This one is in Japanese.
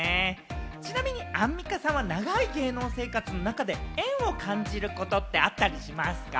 ちなみにアンミカさんは長い芸能生活の中で、縁を感じることってあったりしますか？